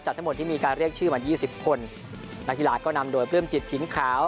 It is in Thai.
จากทั้งหมดที่มีการเรียกชื่อมา๒๐คนนักฐิลาศก็นำโดยเปลื้มจิตถิ่นขาว